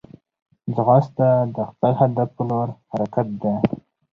ځغاسته د خپل هدف پر لور حرکت دی